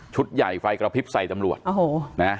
ใหญ่ไฟกระพริบใส่ตำรวจโอ้โหนะ